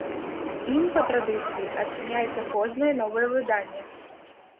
Ім, па традыцыі, адчыняецца кожнае новае выданне.